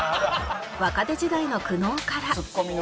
若手時代の苦悩からええー